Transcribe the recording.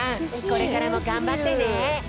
これからもがんばってね。